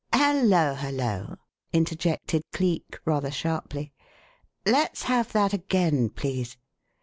"Hallo! Hallo!" interjected Cleek rather sharply. "Let's have that again, please!"